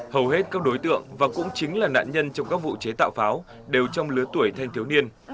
hầu hết các đối tượng và cũng chính là nạn nhân trong các vụ chế tạo pháo đều trong lứa tuổi thanh thiếu niên